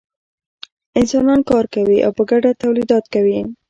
انسانان کار کوي او په ګډه تولیدات کوي.